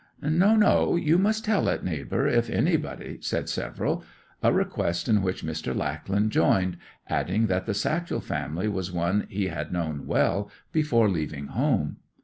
'No, no; you must tell it, neighbour, if anybody,' said several; a request in which Mr. Lackland joined, adding that the Satchel family was one he had known well before leaving home.